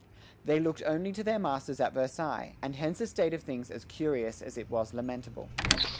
They looked only to their masters at Versailles; and hence a state of things as curious as it was lamentable.